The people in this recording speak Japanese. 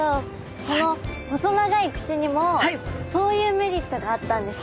その細長い口にもそういうメリットがあったんですね。